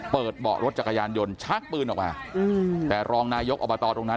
เบาะรถจักรยานยนต์ชักปืนออกมาแต่รองนายกอบตตรงนั้น